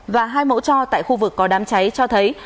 và hai mẫu cho tại khu vực có đám cháy cho thấy